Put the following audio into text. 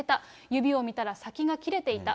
指を見たら先が切れていた。